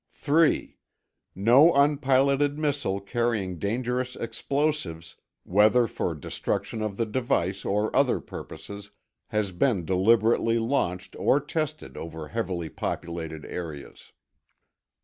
3. No unpiloted missile carrying dangerous explosives, whether for destruction of the device or other purposes, has been deliberately launched or tested over heavily populated areas.